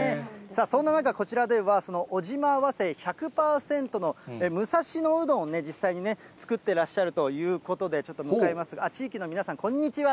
そんな中、こちらではその尾島早生１００％の武蔵野うどんを実際にね、作ってらっしゃるということで、ちょっと向かいますが、地域の皆さん、こんにちは。